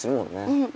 うん。